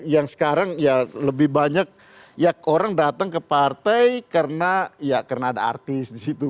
yang sekarang lebih banyak orang datang ke partai karena ada artis di situ